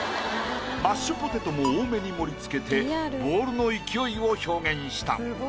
マッシュポテトも多めに盛り付けてボールの勢いを表現した。